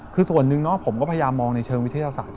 คือส่วนหนึ่งผมก็พยายามมองในเชิงวิทยาศาสต